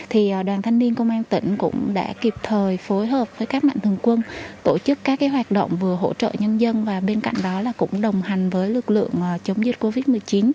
thì đoàn thanh niên công an tỉnh cũng đã kịp thời phối hợp với các mạnh thường quân tổ chức các hoạt động vừa hỗ trợ nhân dân và bên cạnh đó là cũng đồng hành với lực lượng chống dịch covid một mươi chín